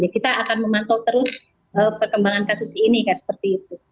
kita akan memantau terus perkembangan kasus ini seperti itu